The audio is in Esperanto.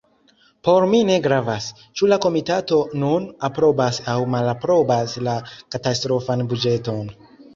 Por mi ne gravas, ĉu la komitato nun aprobas aŭ malaprobas la katastrofan buĝeton.